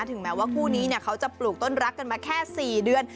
ถึงแม้ว่าคู่นี้เขาจะปลูกต้นรักกันมาแค่๔เดือน